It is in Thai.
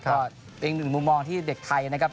เพราะเป็นหนึ่งมุมมองที่เด็กไทยนะครับ